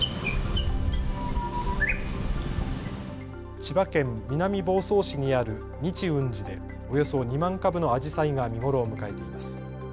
千葉県南房総市にある日運寺でおよそ２万株のアジサイが見頃を迎えています。